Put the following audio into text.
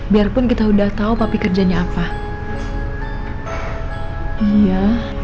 biarpun kita udah tahu tapi kerjanya apa iya